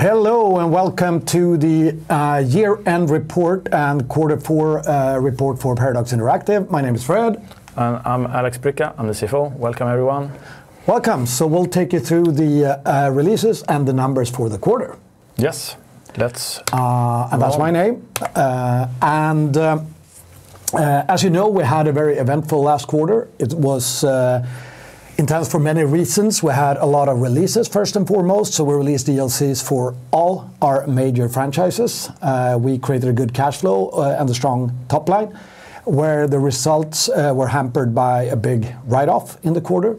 Hello and welcome to the year-end report and quarter four report for Paradox Interactive. My name is Fred. I'm Alex Bricca, I'm the CFO. Welcome, everyone. Welcome. We'll take you through the releases and the numbers for the quarter. Yes, let's. That's my name. As you know, we had a very eventful last quarter. It was intense for many reasons. We had a lot of releases, first and foremost. So we released DLCs for all our major franchises. We created a good cash flow and a strong top line, where the results were hampered by a big write-off in the quarter.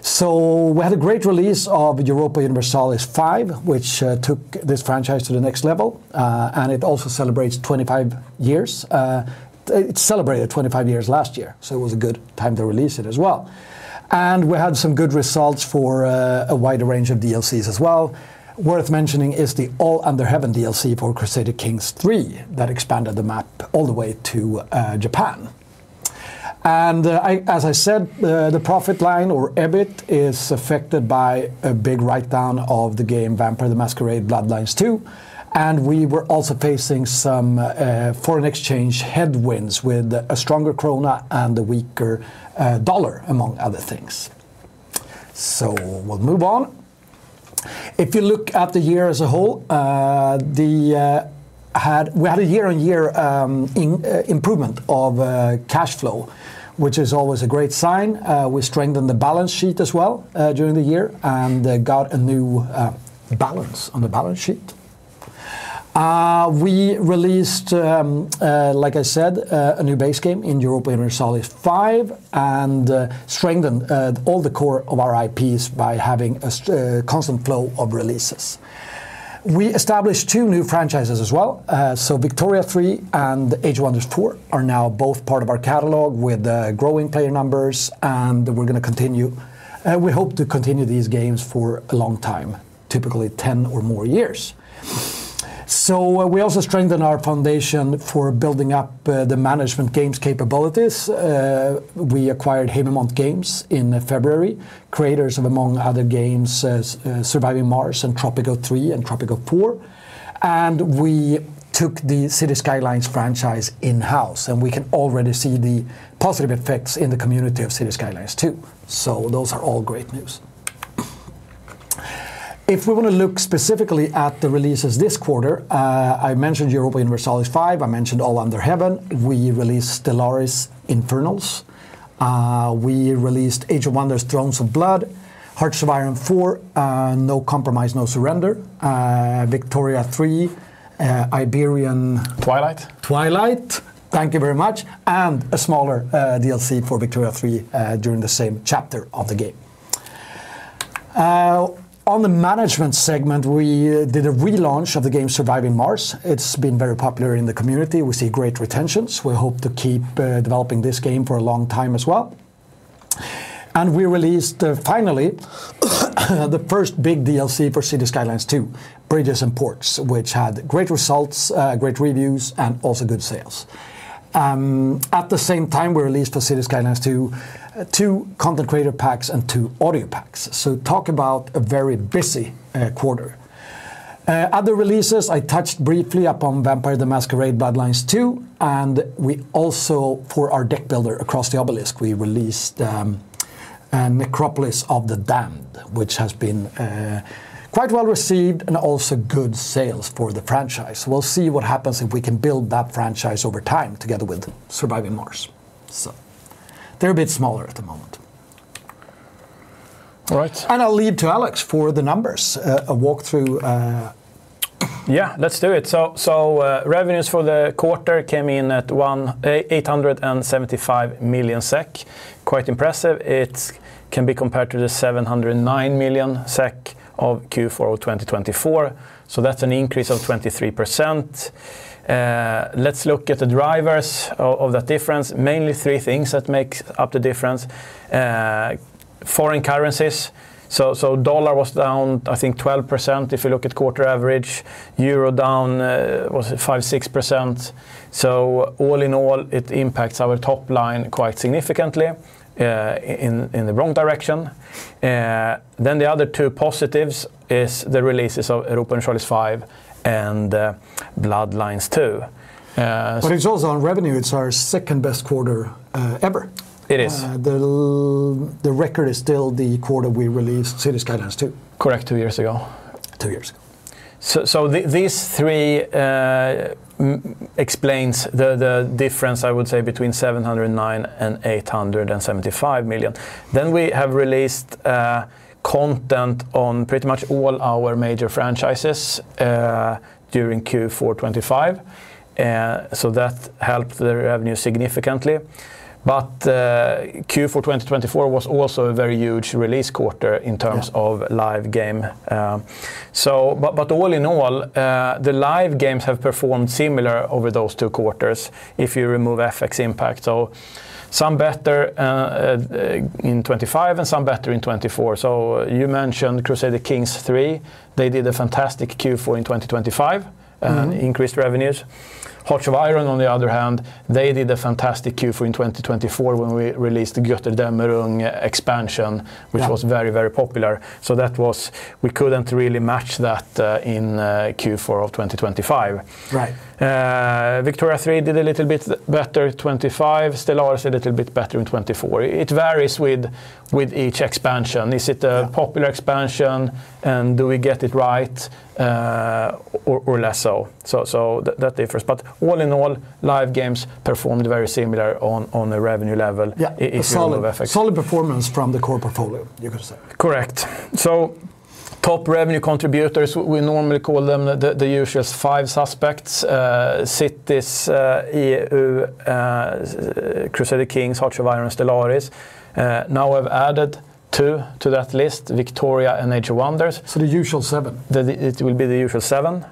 So we had a great release of Europa Universalis V, which took this franchise to the next level. And it also celebrates 25 years. It celebrated 25 years last year, so it was a good time to release it as well. And we had some good results for a wider range of DLCs as well. Worth mentioning is the All Under Heaven DLC for Crusader Kings III that expanded the map all the way to Japan. As I said, the profit line, or EBIT, is affected by a big write-down of the game Vampire: The Masquerade - Bloodlines 2. And we were also facing some foreign exchange headwinds with a stronger krona and a weaker dollar, among other things. So we'll move on. If you look at the year as a whole, we had a year-on-year improvement of cash flow, which is always a great sign. We strengthened the balance sheet as well during the year and got a new balance on the balance sheet. We released, like I said, a new base game in Europa Universalis V and strengthened all the core of our IPs by having a constant flow of releases. We established two new franchises as well. So Victoria 3 and Age of Wonders 4 are now both part of our catalog with growing player numbers, and we're going to continue. We hope to continue these games for a long time, typically 10 or more years. So we also strengthened our foundation for building up the management games capabilities. We acquired Haemimont Games in February, creators of, among other games, Surviving Mars and Tropico 3 and Tropico 4. And we took the Cities: Skylines franchise in-house, and we can already see the positive effects in the community of Cities: Skylines II. So those are all great news. If we want to look specifically at the releases this quarter, I mentioned Europa Universalis V, I mentioned All Under Heaven. We released Stellaris: Infernals. We released Age of Wonders: Thrones of Blood, Hearts of Iron IV, No Compromise, No Surrender, Victoria 3, Iberian. Twilight. Twilight, thank you very much. A smaller DLC for Victoria 3 during the same chapter of the game. On the management segment, we did a relaunch of the game Surviving Mars. It's been very popular in the community. We see great retentions. We hope to keep developing this game for a long time as well. We released finally the first big DLC for Cities: Skylines II, Bridges & Ports, which had great results, great reviews, and also good sales. At the same time, we released for Cities: Skylines II two content creator packs and two audio packs. So talk about a very busy quarter. Other releases, I touched briefly upon Vampire: The Masquerade - Bloodlines 2. We also, for our deck builder Across the Obelisk, we released Necropolis of the Damned, which has been quite well received and also good sales for the franchise. We'll see what happens if we can build that franchise over time together with Surviving Mars. So they're a bit smaller at the moment. All right. I'll leave to Alex for the numbers, a walkthrough. Yeah, let's do it. So revenues for the quarter came in at 875 million SEK, quite impressive. It can be compared to the 709 million SEK of Q4 2024. So that's an increase of 23%. Let's look at the drivers of that difference, mainly three things that make up the difference: foreign currencies. So dollar was down, I think, 12% if you look at quarter average. Euro down was 5%-6%. So all in all, it impacts our top line quite significantly in the wrong direction. Then the other two positives are the releases of Europa Universalis V and Bloodlines II. But it's also on revenue. It's our second best quarter ever. It is. The record is still the quarter we released Cities: Skylines II. Correct, 2 years ago. Two years ago. So these three explain the difference, I would say, between 709 million and 875 million. Then we have released content on pretty much all our major franchises during Q4 2025. So that helped the revenue significantly. But Q4 2024 was also a very huge release quarter in terms of live game. But all in all, the live games have performed similar over those two quarters if you remove FX impact. So some better in 2025 and some better in 2024. So you mentioned Crusader Kings 3. They did a fantastic Q4 in 2025 and increased revenues. Hearts of Iron, on the other hand, they did a fantastic Q4 in 2024 when we released the Götterdämmerung expansion, which was very, very popular. So we couldn't really match that in Q4 of 2025. Right. Victoria 3 did a little bit better in 2025, Stellaris a little bit better in 2024. It varies with each expansion. Is it a popular expansion and do we get it right or less so? So that differs. But all in all, live games performed very similar on the revenue level in terms of FX. Solid performance from the core portfolio, you could say. Correct. So top revenue contributors, we normally call them the usual five suspects: Cities, EU, Crusader Kings, Hearts of Iron, Stellaris. Now I've added two to that list, Victoria and Age of Wonders. So the usual seven. It will be the usual seven.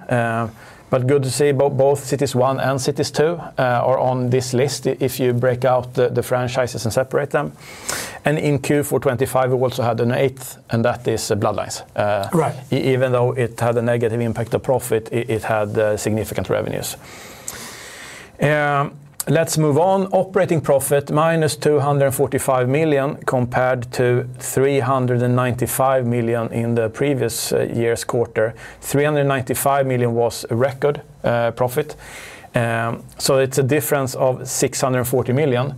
But good to see both Cities 1 and Cities 2 are on this list if you break out the franchises and separate them. In Q4 2025, we also had an eighth, and that is Bloodlines. Even though it had a negative impact on profit, it had significant revenues. Let's move on. Operating profit -245 million compared to 395 million in the previous year's quarter. 395 million was record profit. It's a difference of 640 million.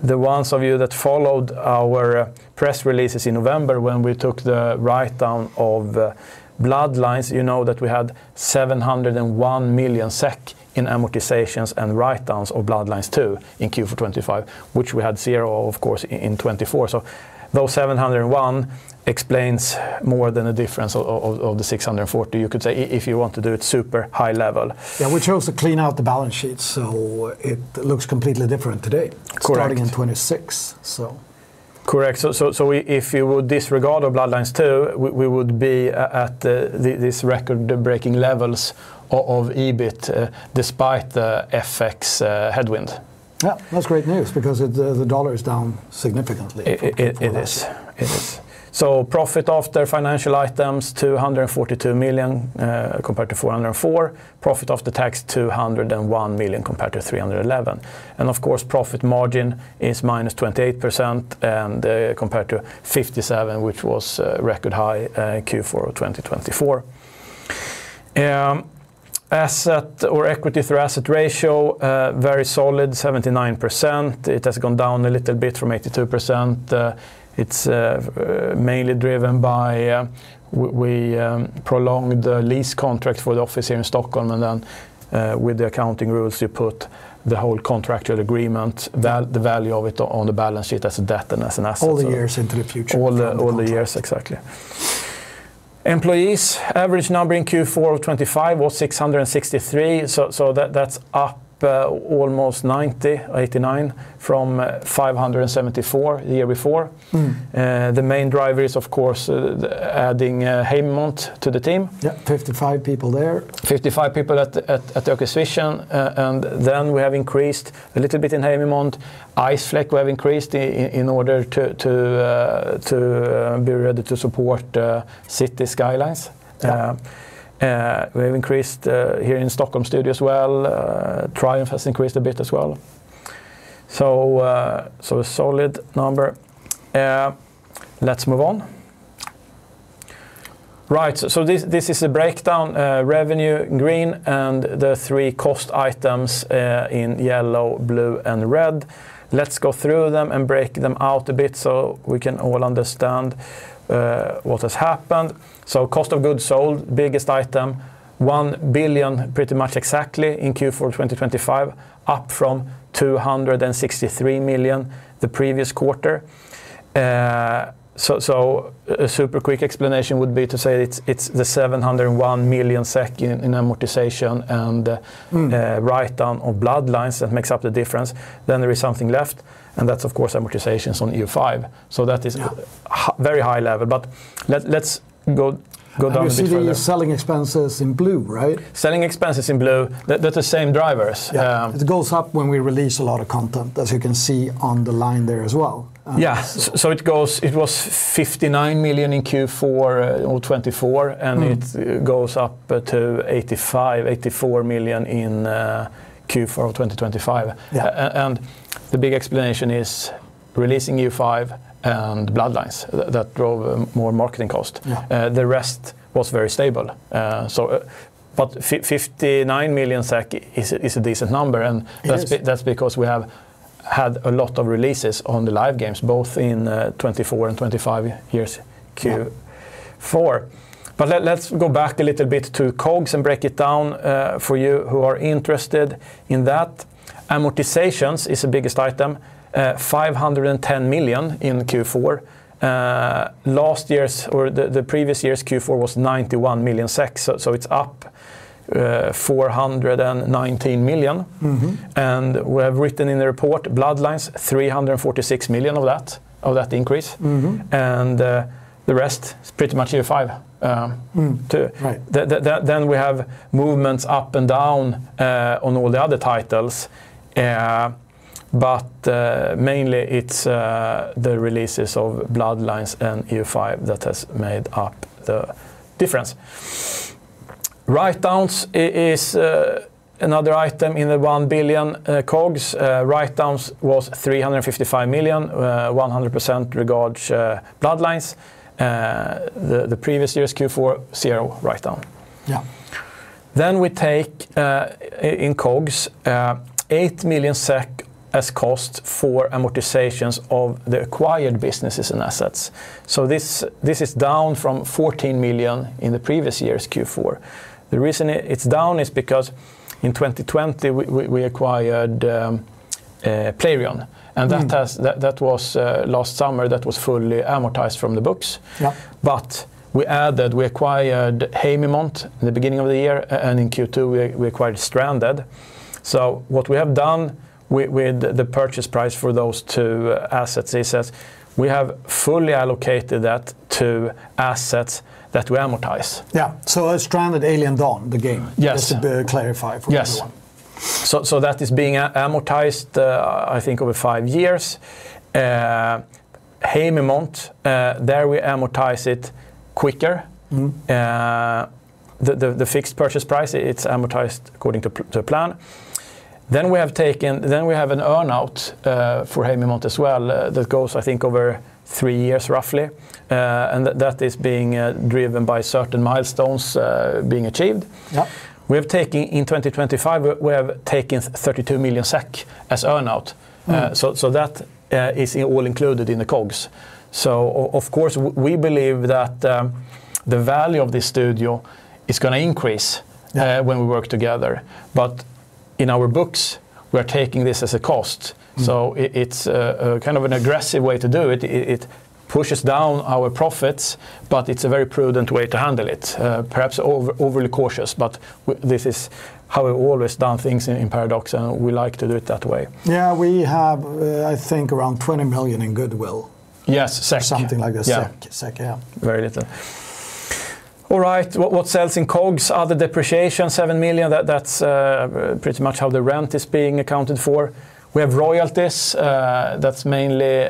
The ones of you that followed our press releases in November when we took the write-down of Bloodlines, you know that we had 701 million SEK in amortizations and write-downs of Bloodlines 2 in Q4 2025, which we had zero, of course, in 2024. So those 701 explains more than a difference of the 640, you could say, if you want to do it super high level. Yeah, we chose to clean out the balance sheet. It looks completely different today, starting in 2026. Correct. So if you would disregard Bloodlines 2, we would be at these record-breaking levels of EBIT despite the FX headwind. Yeah, that's great news because the US dollar is down significantly. It is. So profit after financial items, 242 million compared to 404 million. Profit after tax, 201 million compared to 311 million. And of course, profit margin is -28% compared to 57%, which was record high in Q4 of 2024. Equity to assets ratio, very solid, 79%. It has gone down a little bit from 82%. It's mainly driven by we prolonged the lease contract for the office here in Stockholm. And then with the accounting rules, you put the whole contractual agreement, the value of it on the balance sheet as a debt and as an asset. All the years into the future. All the years, exactly. Employees, average number in Q4 of 2025 was 663. So that's up almost 90, 89 from 574 the year before. The main driver is, of course, adding Haemimont to the team. Yeah, 55 people there. 55 people at the acquisition. And then we have increased a little bit in Haemimont. Iceflake, we have increased in order to be ready to support Cities: Skylines. We have increased here in Stockholm studio as well. Triumph has increased a bit as well. So a solid number. Let's move on. Right, so this is a breakdown, revenue in green and the three cost items in yellow, blue, and red. Let's go through them and break them out a bit so we can all understand what has happened. So cost of goods sold, biggest item, 1 billion pretty much exactly in Q4 2025, up from 263 million the previous quarter. So a super quick explanation would be to say it's the 701 million SEK in amortization and write-down of Bloodlines that makes up the difference. Then there is something left, and that's, of course, amortizations on year five. That is very high level. Let's go down this route. You see the selling expenses in blue, right? Selling expenses in blue. They're the same drivers. Yeah, it goes up when we release a lot of content, as you can see on the line there as well. Yeah, so it was 59 million in Q4 of 2024, and it goes up to 84 million in Q4 of 2025. The big explanation is releasing Europa Universalis V and Bloodlines. That drove more marketing cost. The rest was very stable. But 59 million is a decent number. And that's because we have had a lot of releases on the live games, both in 2024 and 2025's Q4. But let's go back a little bit to COGS and break it down for you who are interested in that. Amortization is the biggest item, 510 million in Q4. Last year's, or the previous year's Q4 was 91 million. So it's up 419 million. And we have written in the report, Bloodlines, 346 million of that increase. And the rest is pretty much Europa Universalis V too. Then we have movements up and down on all the other titles. But mainly it's the releases of Bloodlines and year five that has made up the difference. Write-downs is another item in the 1 billion COGS. Write-downs was 355 million, 100% regards Bloodlines. The previous year's Q4, 0 write-down. Yeah. Then we take in COGS, 8 million SEK as cost for amortizations of the acquired businesses and assets. So this is down from 14 million in the previous year's Q4. The reason it's down is because in 2020, we acquired Playrion. And that was last summer that was fully amortized from the books. But we added, we acquired Haemimont in the beginning of the year. And in Q2, we acquired Stranded. So what we have done with the purchase price for those two assets is we have fully allocated that to assets that we amortize. Yeah, so Stranded Alien Dawn, the game. Just to clarify for everyone. Yes. So that is being amortized, I think, over 5 years. Haemimont, there we amortize it quicker. The fixed purchase price, it's amortized according to plan. Then we have an earnout for Haemimont as well that goes, I think, over 3 years roughly. And that is being driven by certain milestones being achieved. We have taken 32 million SEK as earnout in 2025. So that is all included in the COGS. So of course, we believe that the value of this studio is going to increase when we work together. But in our books, we are taking this as a cost. So it's kind of an aggressive way to do it. It pushes down our profits, but it's a very prudent way to handle it. Perhaps overly cautious, but this is how we've always done things in Paradox, and we like to do it that way. Yeah, we have, I think, around 20 million in goodwill. Yes, SEK. Something like this. Yeah, very little. All right, what sells in COGS? Other depreciation, 7 million. That's pretty much how the rent is being accounted for. We have royalties. That's mainly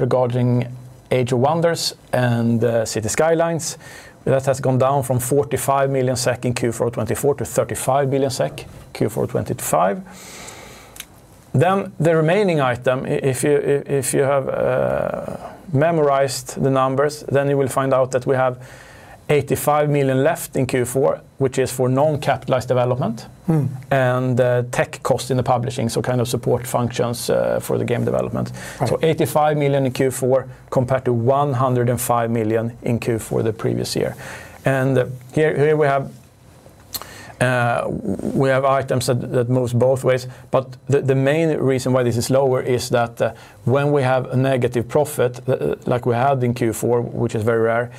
regarding Age of Wonders and Cities: Skylines. That has gone down from 45 million SEK in Q4 2024 to 35 million SEK in Q4 2025. Then the remaining item, if you have memorized the numbers, then you will find out that we have 85 million left in Q4, which is for non-capitalized development and tech cost in the publishing, so kind of support functions for the game development. So 85 million in Q4 compared to 105 million in Q4 the previous year. And here we have, we have items that move both ways. But the main reason why this is lower is that when we have a negative profit, like we had in Q4, which is very rare,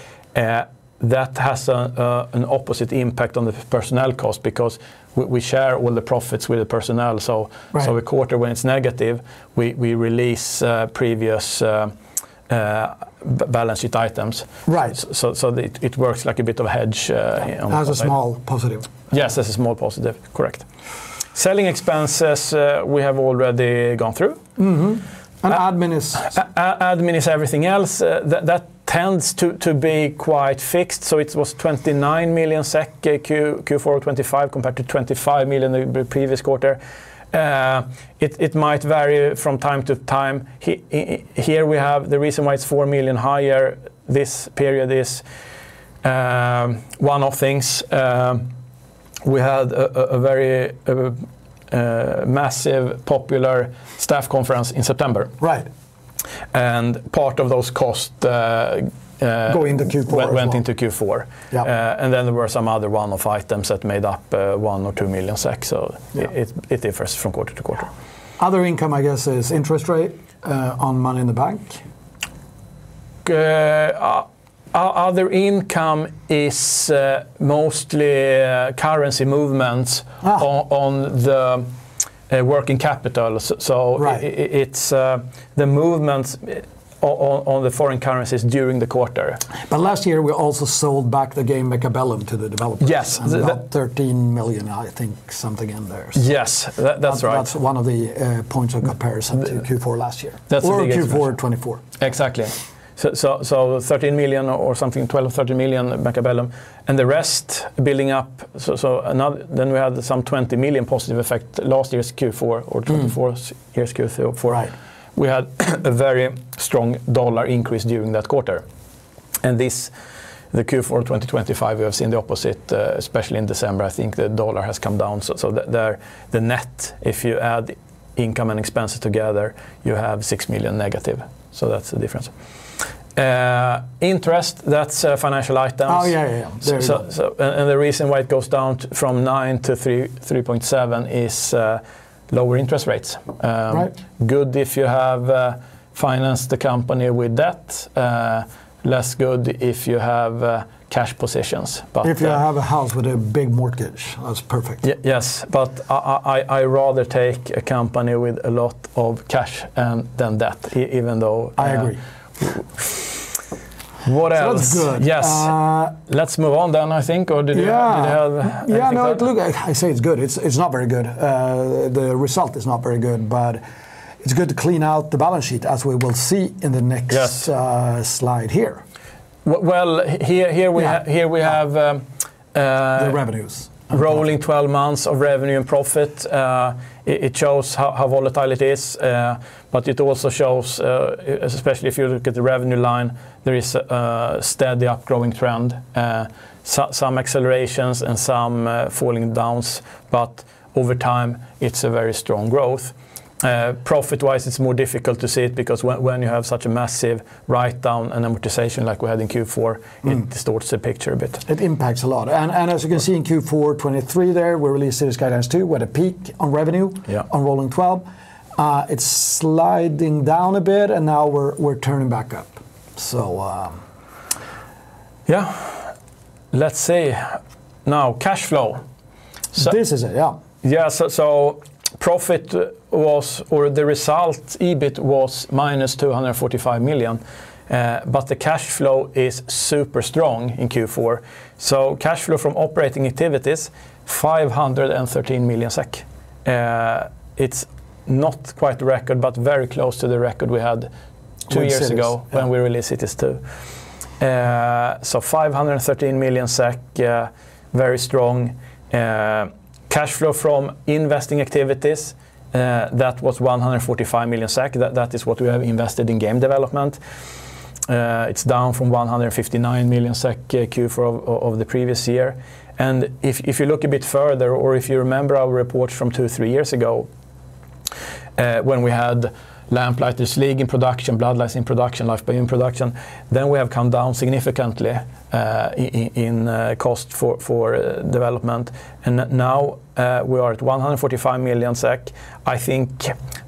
that has an opposite impact on the personnel cost because we share all the profits with the personnel. So every quarter when it's negative, we release previous balance sheet items. So it works like a bit of a hedge. As a small positive. Yes, as a small positive, correct. Selling expenses, we have already gone through. Admin is. Admin is everything else. That tends to be quite fixed. So it was 29 million SEK in Q4 2025 compared to 25 million the previous quarter. It might vary from time to time. Here we have the reason why it's 4 million higher this period is one of things. We had a very massive popular staff conference in September. Right. Part of those costs. Going into Q4. Went into Q4. Then there were some other one-off items that made up 1 million or 2 million. It differs from quarter to quarter. Other income, I guess, is interest rate on money in the bank. Other income is mostly currency movements on the working capital. So it's the movements on the foreign currencies during the quarter. Last year, we also sold back the game Mechabellum to the developers. Yes. About 13 million, I think something in there. Yes, that's right. That's one of the points of comparison to Q4 last year. That's what we did. Or Q4 2024. Exactly. So 13 million or something, 12 or 13 million Mechabellum. And the rest building up. So then we had some 20 million positive effect last year's Q4 or 2024 year's Q4. We had a very strong US dollar increase during that quarter. And this, the Q4 2025, we have seen the opposite, especially in December. I think the US dollar has come down. So there, the net, if you add income and expenses together, you have 6 million negative. So that's the difference. Interest, that's financial items. Oh, yeah, yeah. The reason why it goes down from 9 to 3.7 is lower interest rates. Good if you have financed the company with debt. Less good if you have cash positions. If you have a house with a big mortgage, that's perfect. Yes, but I rather take a company with a lot of cash than debt, even though. I agree. What else? That's good. Yes. Let's move on then, I think, or did you have? Yeah, no, look, I say it's good. It's not very good. The result is not very good, but it's good to clean out the balance sheet, as we will see in the next slide here. Well, here we have. The revenues. Rolling 12 months of revenue and profit. It shows how volatile it is. But it also shows, especially if you look at the revenue line, there is a steady upward trend, some accelerations and some falling downs. But over time, it's a very strong growth. Profit-wise, it's more difficult to see it because when you have such a massive write-down and amortization like we had in Q4, it distorts the picture a bit. It impacts a lot. As you can see in Q4 2023 there, we released Cities: Skylines II, we had a peak on revenue on Rolling 12. It's sliding down a bit, and now we're turning back up. So. Yeah, let's see. Now cash flow. This is it, yeah. Yeah, so profit was, or the result EBIT was -245 million. But the cash flow is super strong in Q4. So cash flow from operating activities, 513 million SEK. It's not quite the record, but very close to the record we had two years ago when we released Cities 2. So 513 million SEK, very strong. Cash flow from investing activities, that was 145 million SEK. That is what we have invested in game development. It's down from 159 million SEK Q4 of the previous year. And if you look a bit further, or if you remember our reports from two or three years ago, when we had Lamplighters League in production, Bloodlines in production, Life by You in production, then we have come down significantly in cost for development. And now we are at 145 million SEK. I think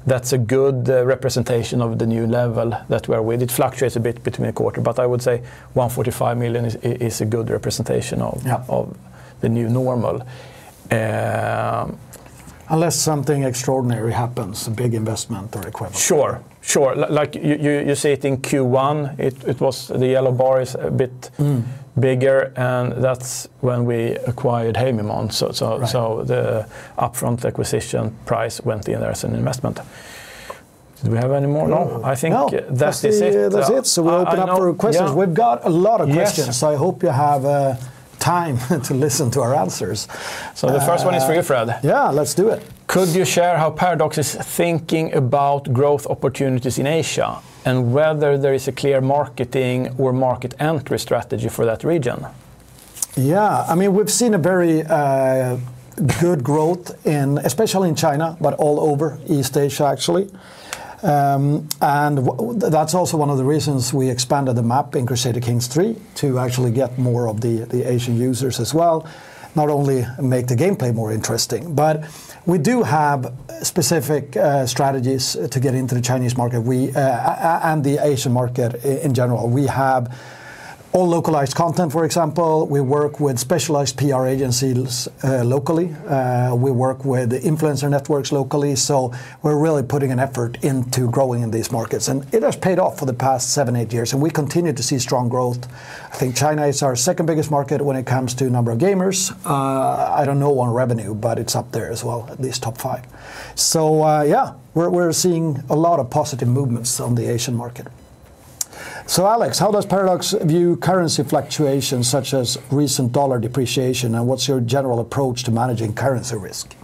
that's a good representation of the new level that we are with. It fluctuates a bit between a quarter, but I would say 145 million is a good representation of the new normal. Unless something extraordinary happens, a big investment or equivalent. Sure, sure. Like you see it in Q1, it was the yellow bar is a bit bigger. That's when we acquired Haemimont. The upfront acquisition price went in there as an investment. Did we have any more? No, I think that's it. That's it. So we open up for questions. We've got a lot of questions. So I hope you have time to listen to our answers. So the first one is for you, Fred. Yeah, let's do it. Could you share how Paradox is thinking about growth opportunities in Asia and whether there is a clear marketing or market entry strategy for that region? Yeah, I mean, we've seen a very good growth, especially in China, but all over East Asia, actually. That's also one of the reasons we expanded the map in Crusader Kings III to actually get more of the Asian users as well, not only make the gameplay more interesting. We do have specific strategies to get into the Chinese market and the Asian market in general. We have all localized content, for example. We work with specialized PR agencies locally. We work with influencer networks locally. We're really putting an effort into growing in these markets. It has paid off for the past seven, eight years. We continue to see strong growth. I think China is our second biggest market when it comes to number of gamers. I don't know on revenue, but it's up there as well, at least top five. So yeah, we're seeing a lot of positive movements on the Asian market. So Alex, how does Paradox view currency fluctuations such as recent dollar depreciation? And what's your general approach to managing currency risk?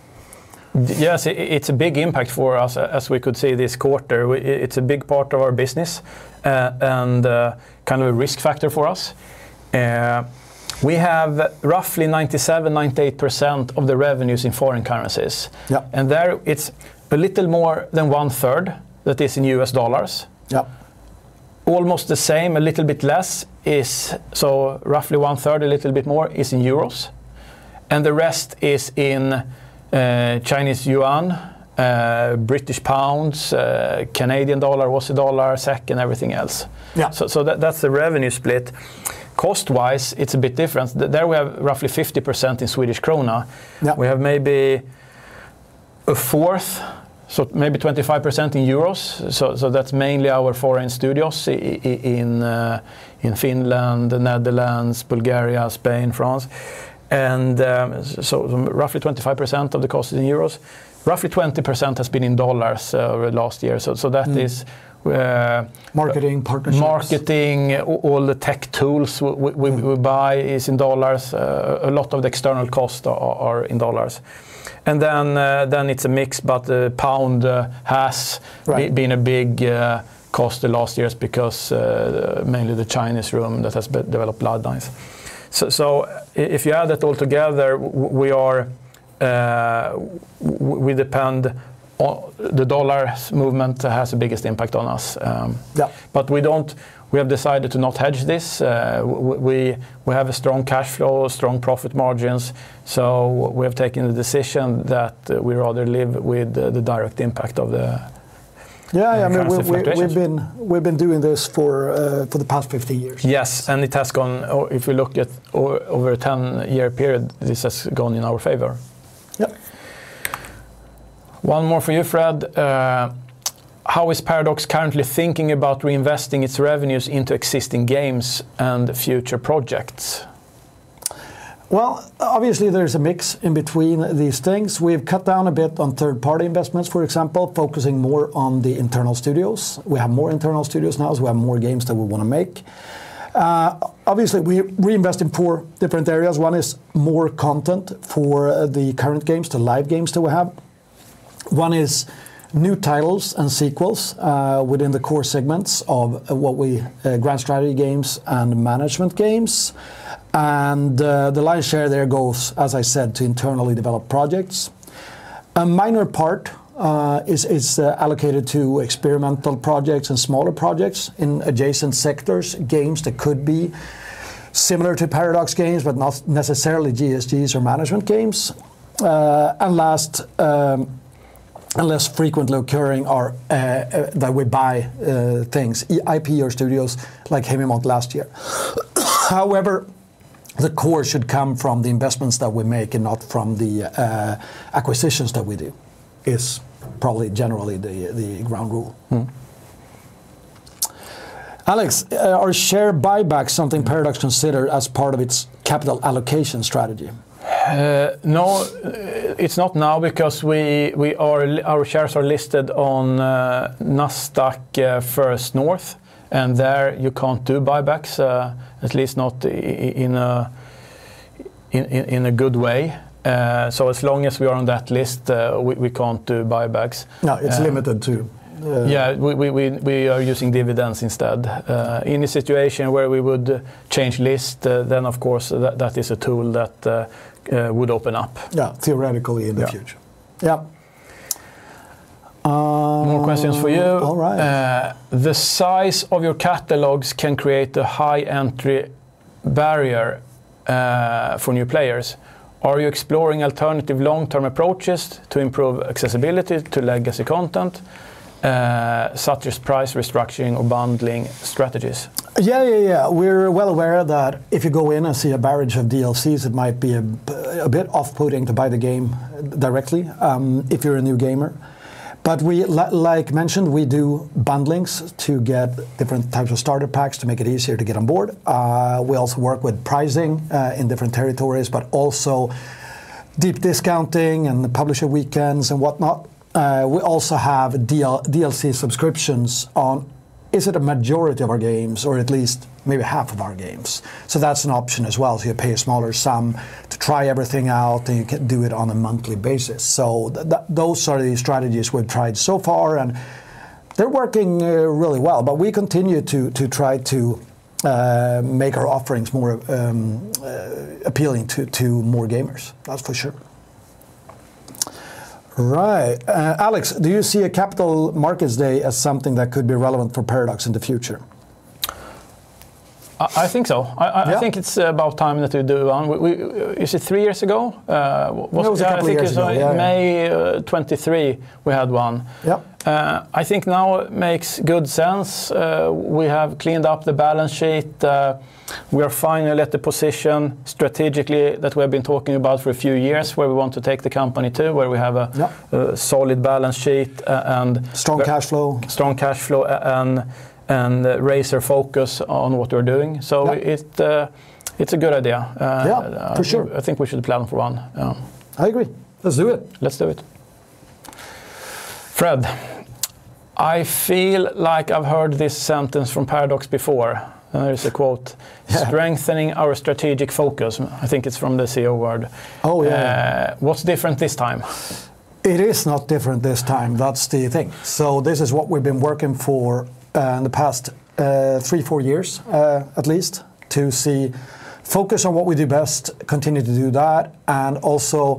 Yes, it's a big impact for us, as we could see this quarter. It's a big part of our business and kind of a risk factor for us. We have roughly 97%-98% of the revenues in foreign currencies. And there it's a little more than one third that is in US dollars. Almost the same, a little bit less is, so roughly one third, a little bit more is in euros. And the rest is in Chinese yuan, British pounds, Canadian dollar Aussie dollar, SEK, and everything else. So that's the revenue split. Cost-wise, it's a bit different. There we have roughly 50% in Swedish krona. We have maybe a fourth, so maybe 25% in euros. So that's mainly our foreign studios in Finland, the Netherlands, Bulgaria, Spain, France. And so roughly 25% of the cost is in euros. Roughly 20% has been in dollars over the last year. That is. Marketing partnerships. Marketing, all the tech tools we buy is in US dollars. A lot of the external costs are in US dollars. And then it's a mix, but the British pound has been a big cost the last years because mainly The Chinese Room that has developed Bloodlines. So if you add that all together, we depend on the US dollar movement has the biggest impact on us. But we have decided to not hedge this. We have a strong cash flow, strong profit margins. So we have taken the decision that we rather live with the direct impact of the. Yeah, I mean, we've been doing this for the past 15 years. Yes, and it has gone, if we look at over a 10-year period, this has gone in our favor. Yep. One more for you, Fred. How is Paradox currently thinking about reinvesting its revenues into existing games and future projects? Well, obviously, there's a mix in between these things. We've cut down a bit on third-party investments, for example, focusing more on the internal studios. We have more internal studios now, so we have more games that we want to make. Obviously, we reinvest in four different areas. One is more content for the current games, the live games that we have. One is new titles and sequels within the core segments of what we grand strategy games and management games. And the lion's share there goes, as I said, to internally developed projects. A minor part is allocated to experimental projects and smaller projects in adjacent sectors, games that could be similar to Paradox games, but not necessarily GSGs or management games. And last, and less frequently occurring are that we buy things, IP or studios like Haemimont last year. However, the core should come from the investments that we make and not from the acquisitions that we do. It's probably generally the ground rule. Alex, are share buybacks something Paradox considered as part of its capital allocation strategy? No, it's not now because our shares are listed on Nasdaq First North. There you can't do buybacks, at least not in a good way. As long as we are on that list, we can't do buybacks. No, it's limited to. Yeah, we are using dividends instead. In a situation where we would change listing, then of course that is a tool that would open up. Yeah, theoretically in the future. Yeah. More questions for you. All right. The size of your catalogs can create a high entry barrier for new players. Are you exploring alternative long-term approaches to improve accessibility to legacy content, such as price restructuring or bundling strategies? Yeah, yeah, yeah. We're well aware that if you go in and see a barrage of DLCs, it might be a bit off-putting to buy the game directly if you're a new gamer. But like mentioned, we do bundlings to get different types of starter packs to make it easier to get on board. We also work with pricing in different territories, but also deep discounting and publisher weekends and whatnot. We also have DLC subscriptions on, is it a majority of our games or at least maybe half of our games? So that's an option as well. So you pay a smaller sum to try everything out, and you can do it on a monthly basis. So those are the strategies we've tried so far, and they're working really well. But we continue to try to make our offerings more appealing to more gamers, that's for sure. Right. Alex, do you see a Capital Markets Day as something that could be relevant for Paradox in the future? I think so. I think it's about time that we do one. Is it three years ago? No, it was a couple of years ago. May 23, we had one. I think now it makes good sense. We have cleaned up the balance sheet. We are finally at the position strategically that we have been talking about for a few years where we want to take the company to, where we have a solid balance sheet and. Strong cash flow. Strong cash flow and laser focus on what we're doing. So it's a good idea. Yeah, for sure. I think we should plan for one. I agree. Let's do it. Let's do it. Fred, I feel like I've heard this sentence from Paradox before. There's a quote, "Strengthening our strategic focus." I think it's from the CEO word. Oh, yeah. What's different this time? It is not different this time. That's the thing. So this is what we've been working for in the past 3, 4 years at least, to see focus on what we do best, continue to do that, and also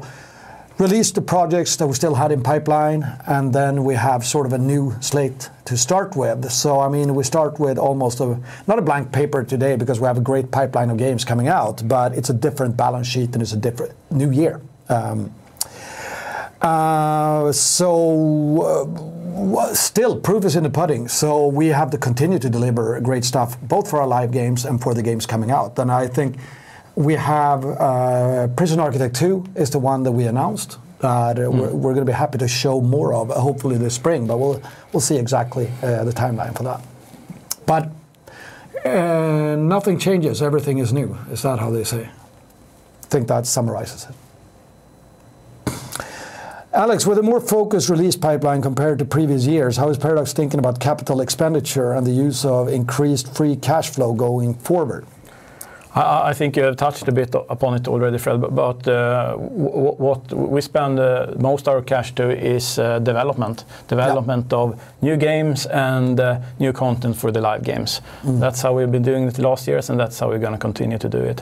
release the projects that we still had in pipeline. And then we have sort of a new slate to start with. So I mean, we start with almost not a blank paper today because we have a great pipeline of games coming out, but it's a different balance sheet and it's a different new year. So still proof is in the pudding. So we have to continue to deliver great stuff, both for our live games and for the games coming out. I think we have Prison Architect 2 is the one that we announced that we're going to be happy to show more of, hopefully this spring, but we'll see exactly the timeline for that. But nothing changes. Everything is new. Is that how they say? I think that summarizes it. Alex, with a more focused release pipeline compared to previous years, how is Paradox thinking about capital expenditure and the use of increased free cash flow going forward? I think you have touched a bit upon it already, Fred, but what we spend most of our cash to is development, development of new games and new content for the live games. That's how we've been doing it the last years, and that's how we're going to continue to do it.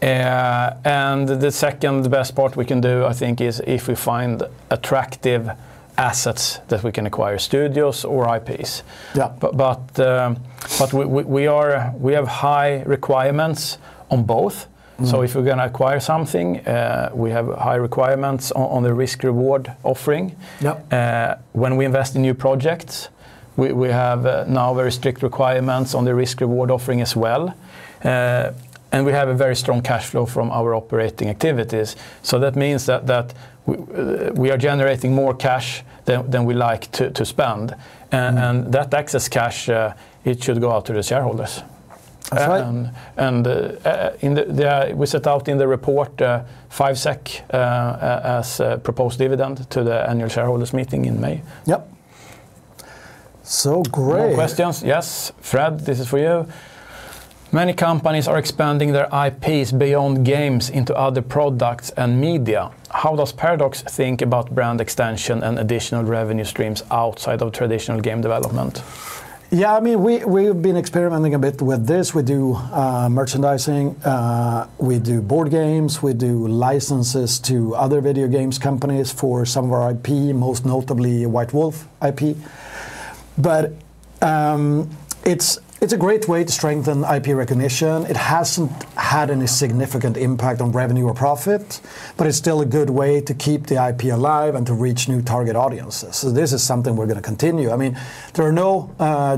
And the second best part we can do, I think, is if we find attractive assets that we can acquire, studios or IPs. But we have high requirements on both. So if we're going to acquire something, we have high requirements on the risk-reward offering. When we invest in new projects, we have now very strict requirements on the risk-reward offering as well. And we have a very strong cash flow from our operating activities. So that means that we are generating more cash than we like to spend. That excess cash, it should go out to the shareholders. That's right. We set out in the report 5 SEK as proposed dividend to the annual shareholders meeting in May. Yep. So great. More questions? Yes. Fred, this is for you. Many companies are expanding their IPs beyond games into other products and media. How does Paradox think about brand extension and additional revenue streams outside of traditional game development? Yeah, I mean, we've been experimenting a bit with this. We do merchandising. We do board games. We do licenses to other video games companies for some of our IP, most notably White Wolf IP. But it's a great way to strengthen IP recognition. It hasn't had any significant impact on revenue or profit, but it's still a good way to keep the IP alive and to reach new target audiences. So this is something we're going to continue. I mean, there are no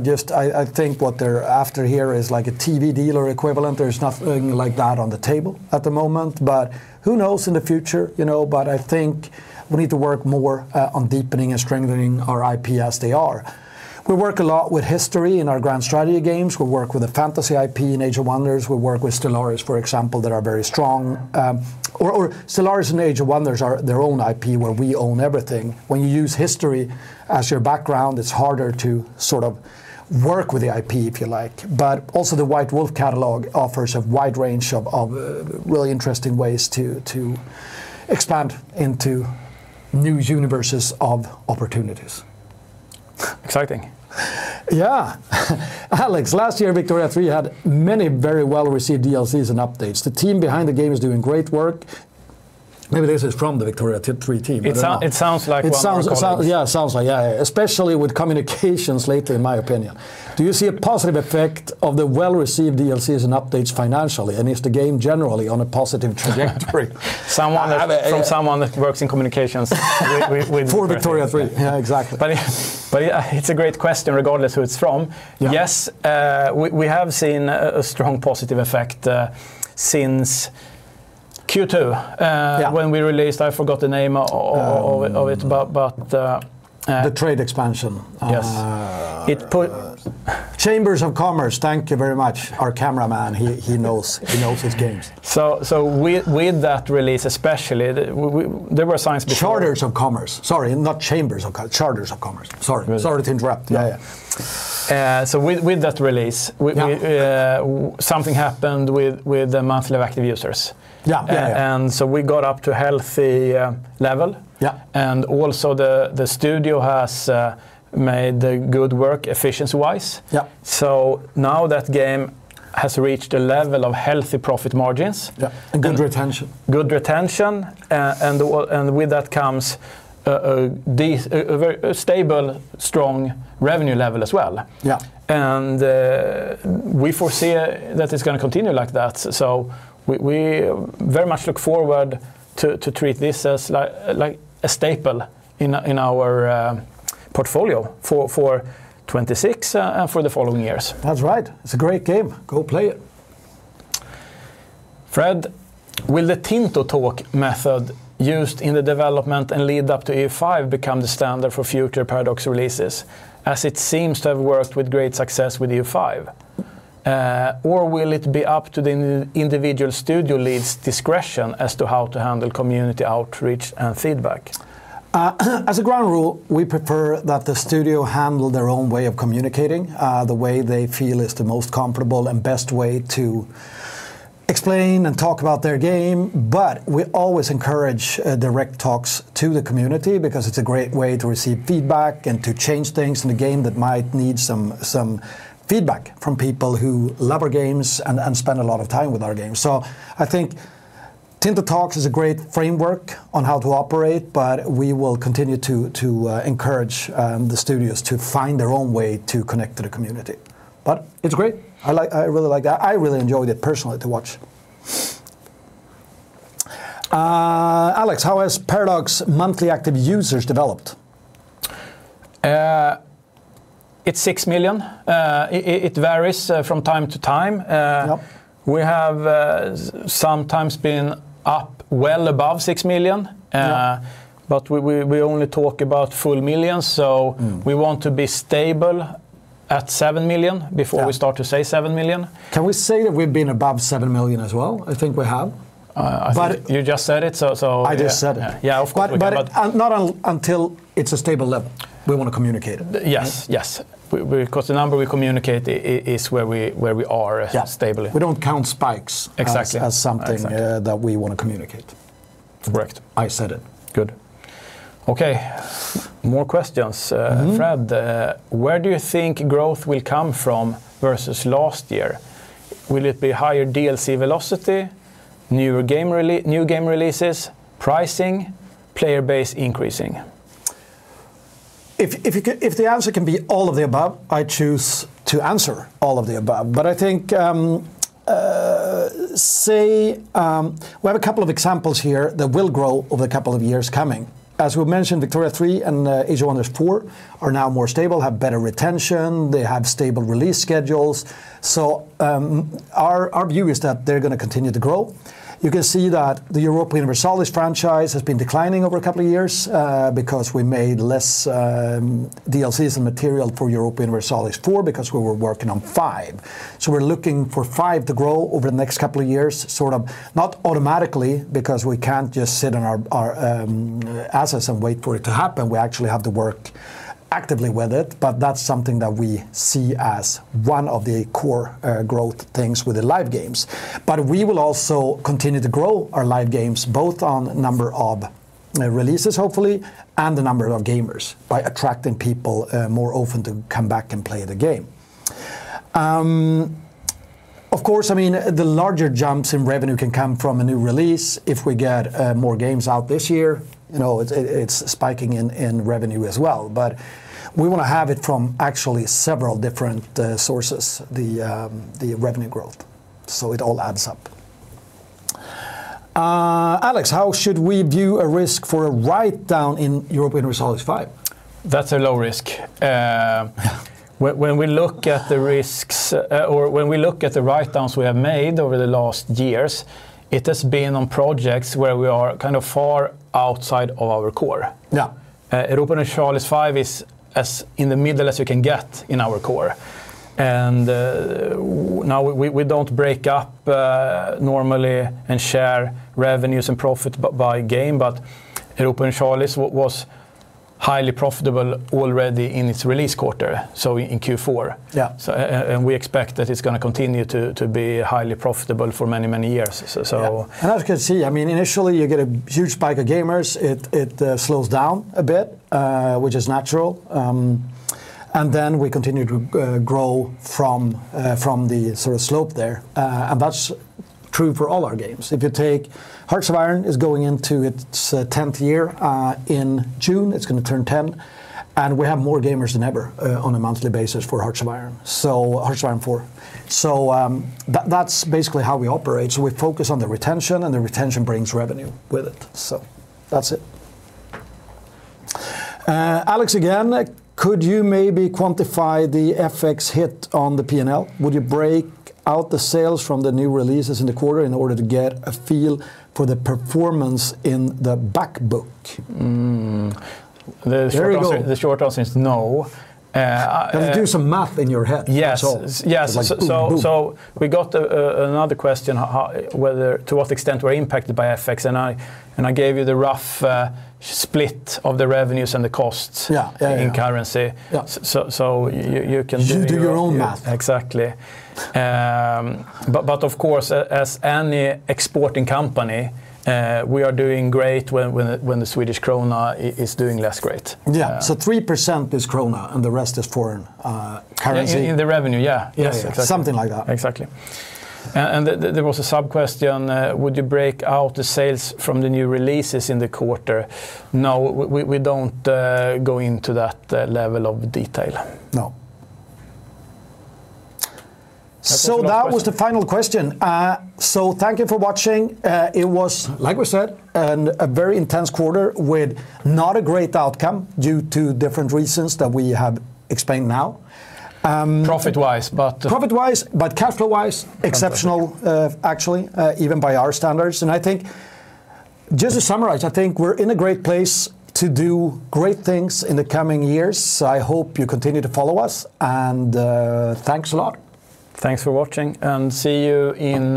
just I think what they're after here is like a TV deal or equivalent. There's nothing like that on the table at the moment, but who knows in the future, you know? But I think we need to work more on deepening and strengthening our IP as they are. We work a lot with history in our grand strategy games. We work with a fantasy IP in Age of Wonders. We work with Stellaris, for example, that are very strong. Or Stellaris and Age of Wonders are their own IP where we own everything. When you use history as your background, it's harder to sort of work with the IP, if you like. But also the White Wolf catalog offers a wide range of really interesting ways to expand into new universes of opportunities. Exciting. Yeah. Alex, last year, Victoria 3 had many very well-received DLCs and updates. The team behind the game is doing great work. Maybe this is from the Victoria 3 team. It sounds like one of them. Yeah, it sounds like, yeah, especially with communications lately, in my opinion. Do you see a positive effect of the well-received DLCs and updates financially? And is the game generally on a positive trajectory? From someone that works in communications with. For Victoria 3. Yeah, exactly. But it's a great question regardless who it's from. Yes, we have seen a strong positive effect since Q2 when we released, I forgot the name of it, but. The trade expansion. Yes. Charters of Commerce, thank you very much. Our cameraman, he knows his games. So with that release, especially, there were signs before. Charters of Commerce. Sorry, not Chambers of Commerce. Charters of Commerce. Sorry to interrupt. Yeah, yeah. So with that release, something happened with the monthly active users. Yeah, yeah, yeah. And so we got up to a healthy level. And also the studio has made good work efficiency-wise. So now that game has reached a level of healthy profit margins. Yeah, and good retention. Good retention. With that comes a very stable, strong revenue level as well. We foresee that it's going to continue like that. We very much look forward to treating this as a staple in our portfolio for 2026 and for the following years. That's right. It's a great game. Go play it. Fred, will the Tinto Talks method used in the development and lead-up to EU5 become the standard for future Paradox releases, as it seems to have worked with great success with EU5? Or will it be up to the individual studio leads' discretion as to how to handle community outreach and feedback? As a ground rule, we prefer that the studio handle their own way of communicating, the way they feel is the most comparable and best way to explain and talk about their game. But we always encourage direct talks to the community because it's a great way to receive feedback and to change things in the game that might need some feedback from people who love our games and spend a lot of time with our games. So I think Tinto Talks is a great framework on how to operate, but we will continue to encourage the studios to find their own way to connect to the community. But it's great. I really like that. I really enjoyed it personally to watch. Alex, how has Paradox monthly active users developed? It's 6 million. It varies from time to time. We have sometimes been up well above 6 million, but we only talk about full millions. So we want to be stable at 7 million before we start to say 7 million. Can we say that we've been above 7 million as well? I think we have. You just said it, so. I just said it. Yeah, of course. But not until it's a stable level. We want to communicate it. Yes, yes. Because the number we communicate is where we are stably. We don't count spikes as something that we want to communicate. Correct. I said it. Good. Okay. More questions. Fred, where do you think growth will come from versus last year? Will it be higher DLC velocity, new game releases, pricing, player base increasing? If the answer can be all of the above, I choose to answer all of the above. But I think, say, we have a couple of examples here that will grow over the couple of years coming. As we mentioned, Victoria 3 and Age of Wonders 4 are now more stable, have better retention, they have stable release schedules. So our view is that they're going to continue to grow. You can see that the Europa Universalis franchise has been declining over a couple of years because we made less DLCs and material for Europa Universalis 4 because we were working on 5. So we're looking for 5 to grow over the next couple of years, sort of not automatically because we can't just sit on our assets and wait for it to happen. We actually have to work actively with it, but that's something that we see as one of the core growth things with the live games. But we will also continue to grow our live games, both on number of releases, hopefully, and the number of gamers by attracting people more often to come back and play the game. Of course, I mean, the larger jumps in revenue can come from a new release. If we get more games out this year, it's spiking in revenue as well. But we want to have it from actually several different sources, the revenue growth. So it all adds up. Alex, how should we view a risk for a write-down in Europa Universalis V? That's a low risk. When we look at the risks or when we look at the write-downs we have made over the last years, it has been on projects where we are kind of far outside of our core. Yeah. Europa Universalis V is as in the middle as we can get in our core. Now we don't break up normally and share revenues and profit by game, but Europa Universalis V was highly profitable already in its release quarter, so in Q4. We expect that it's going to continue to be highly profitable for many, many years. As you can see, I mean, initially you get a huge spike of gamers. It slows down a bit, which is natural. Then we continue to grow from the sort of slope there. That's true for all our games. If you take Hearts of Iron, it's going into its 10th year in June. It's going to turn 10. We have more gamers than ever on a monthly basis for Hearts of Iron, so Hearts of Iron 4. That's basically how we operate. We focus on the retention, and the retention brings revenue with it. That's it. Alex, again, could you maybe quantify the FX hit on the P&L? Would you break out the sales from the new releases in the quarter in order to get a feel for the performance in the backbook? The short answer is no. You have to do some math in your head as well. Yes. Yes. So we got another question whether, to what extent we're impacted by FX. And I gave you the rough split of the revenues and the costs in currency. So you can do. You do your own math. Exactly. But of course, as any exporting company, we are doing great when the Swedish krona is doing less great. Yeah. So 3% is krona and the rest is foreign currency. In the revenue, yeah. Yes, exactly. Something like that. Exactly. There was a sub-question. Would you break out the sales from the new releases in the quarter? No, we don't go into that level of detail. No. So that was the final question. Thank you for watching. It was, like we said, a very intense quarter with not a great outcome due to different reasons that we have explained now. Profit-wise, but. Profit-wise, but cash flow-wise, exceptional, actually, even by our standards. I think just to summarize, I think we're in a great place to do great things in the coming years. I hope you continue to follow us. Thanks a lot. Thanks for watching. See you in,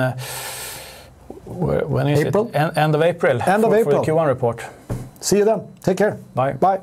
when is it? April. End of April. End of April. For the Q1 report. See you then. Take care. Bye. Bye.